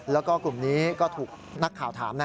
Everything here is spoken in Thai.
แล้วก็กลุ่มนี้ก็ถูกนักข่าวถาม